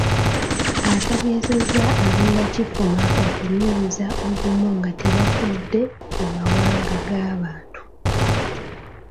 Ategeezezza ab’e Nakifuma okunyweza obumu nga tebafudde ku mawanga g’abantu.